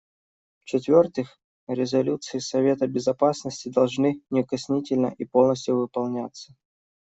В-четвертых, резолюции Совета Безопасности должны неукоснительно и полностью выполняться.